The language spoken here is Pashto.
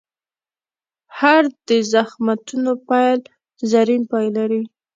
هر د زخمتونو پیل، زرین پای لري.